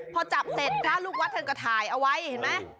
พอจับเสร็จพระลูกวัดท่านก็ถ่ายเอาไว้เห็นไหม